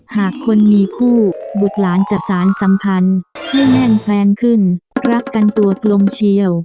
หากคนมีคู่บุตรหลานจะสารสัมพันธ์ให้แน่นแฟนขึ้นรักกันตัวกลมเชี่ยว